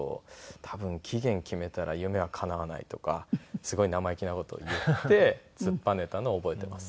「多分期限決めたら夢は叶わない」とかすごい生意気な事を言って突っぱねたのを覚えています。